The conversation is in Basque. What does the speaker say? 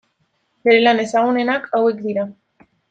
Bere lan ezagunenak hauek dira.